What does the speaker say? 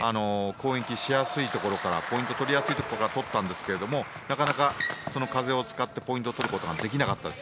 攻撃しやすいところからポイントを取りやすいところから取ったんですけどなかなかその風を使ってポイントを取ることができなかったです。